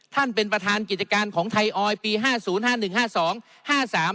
ท่านประธานเป็นประธานกิจการของไทยออยปีห้าศูนย์ห้าหนึ่งห้าสองห้าสาม